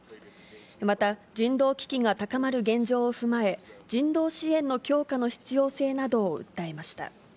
また、人道危機が高まる現状を踏まえ、人道支援の強化の必要性などを訴えました。